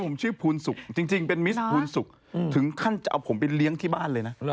ผมชื่อภูนสุกจริงเป็นมิสภูนสุกถึงขั้นจะเอาผมไปเลี้ยงที่บ้านเลยนะ